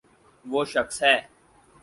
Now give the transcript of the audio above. و ہ شخص ہے۔